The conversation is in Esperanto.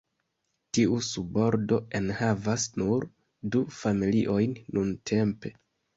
Tiu subordo enhavas nur du familiojn nuntempe.